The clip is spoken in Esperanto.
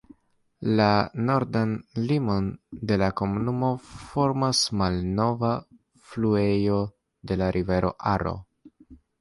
La nordan limon de la komunumo formas la malnova fluejo de la rivero Aro.